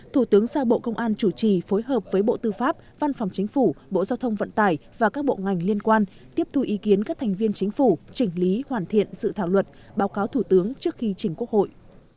thủ tướng giao bộ công an chủ trì phối hợp với bộ tư pháp văn phòng chính phủ bộ giao thông vận tải và các bộ ngành liên quan tiếp thu ý kiến các thành viên chính phủ chỉnh lý hoàn thiện sự thảo luật báo cáo thủ tướng trước khi chỉnh quốc hội